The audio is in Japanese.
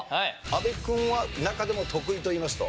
阿部君は中でも得意といいますと？